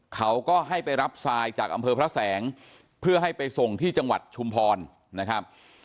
เขาก็ให้ไปรับทรายจากอำเภอพระแสงเพื่อให้ไปส่งที่จังหวัดชุมพรนะครับ